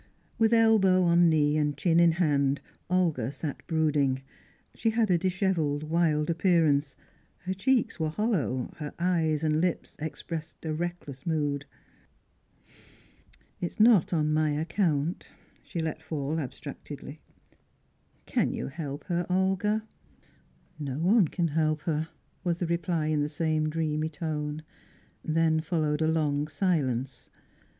With elbow on knee, and chin in hand, Olga sat brooding. She had a dishevelled, wild appearance; her cheeks were hollow, her eyes and lips expressed a reckless mood. "It is not on my account," she let fall, abstractedly. "Can you help her, Olga?" "No one can help her," was the reply in the same dreamy tone. Then followed a long silence.